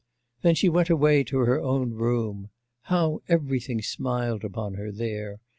Then she went away to her own room; how everything smiled upon her there!